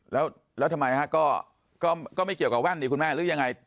แล้วทำไมฮะก็ไม่เกี่ยวกับแว่นดีคุณแม่หรือยังไง